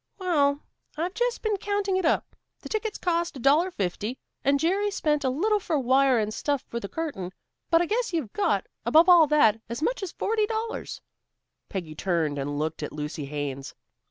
"Well, I've just been counting it up. The tickets cost a dollar fifty, and Jerry spent a little for wire and stuff for the curtain. But I guess you've got, above all that, as much as forty dollars." Peggy turned and looked at Lucy Haines.